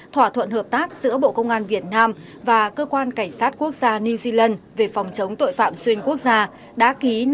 thỏa thuận hợp tác giữa bộ công an việt nam và cơ quan cảnh sát quốc gia new zealand về phòng chống tội phạm xuyên quốc gia